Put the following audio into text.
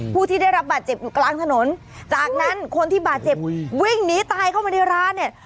ผู้ที่ได้รับบาดเจ็บอยู่กลางถนนจากนั้นคนที่บาดเจ็บวิ่งหนีตายเข้ามาในร้านเนี่ย